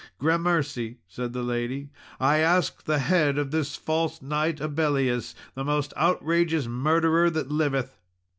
"Grammercy," said the lady, "I ask the head of this false knight Abellius, the most outrageous murderer that liveth."